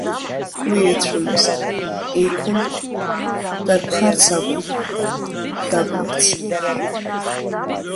Уи ыцәомызт, еиқәын, дарԥхарц акәым, даблырц.